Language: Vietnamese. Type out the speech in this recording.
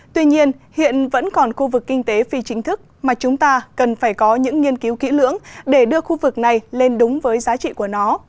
tuy nhiên hiện vẫn còn khu vực kinh tế phi chính thức mà chúng ta cần phải có những nghiên cứu kỹ lưỡng để đưa khu vực này lên đúng với giá trị của nó